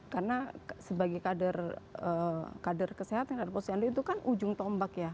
karena sebagai kader kader kesehatan dan posyandu itu kan ujung tombak ya